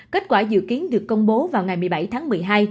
kết quả dự kiến được công bố vào ngày một mươi bảy tháng một mươi hai